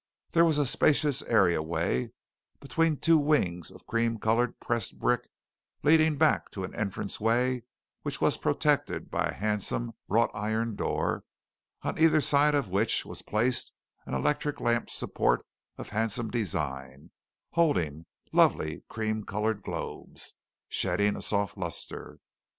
There was a spacious areaway between two wings of cream colored pressed brick leading back to an entrance way which was protected by a handsome wrought iron door on either side of which was placed an electric lamp support of handsome design, holding lovely cream colored globes, shedding a soft lustre.